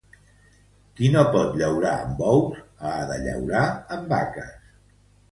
Qui no pot llaurar amb bous ha de llaurar amb vaques.